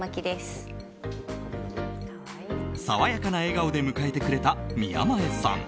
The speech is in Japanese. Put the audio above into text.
爽やかな笑顔で迎えてくれた宮前さん。